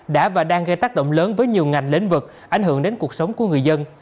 đã và đang gây tác động lớn với nhiều ngành lĩnh vực ảnh hưởng đến cuộc sống của người dân